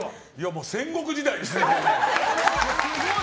もう戦国時代ですね。